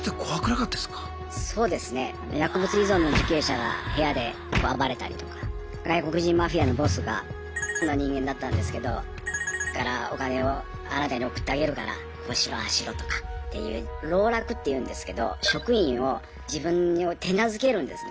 薬物依存の受刑者が部屋で暴れたりとか外国人マフィアのボスがの人間だったんですけどからお金をあなたに送ってあげるからこうしろああしろとかっていう籠絡っていうんですけど職員を自分に手なずけるんですねうまく。